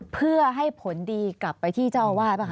เพื่อให้ผลดีกลับไปที่เจ้าอาวาสป่ะค